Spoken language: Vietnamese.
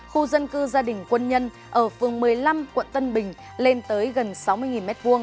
khu dân cư gia đình quân nhân ở phường một mươi năm quận tân bình lên tới gần sáu mươi m hai